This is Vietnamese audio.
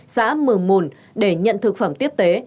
xã mờ mùn để nhận thực phẩm tiếp tế